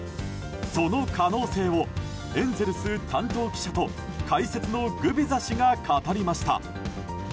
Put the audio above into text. その可能性をエンゼルス担当記者と解説のグビザ氏が語りました。